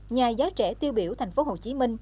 nhà giáo trẻ tiêu biểu thành phố hồ chí minh